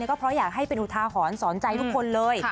ก็เพราะอยากให้เป็นอุทาหรณ์สอนใจทุกคนเลย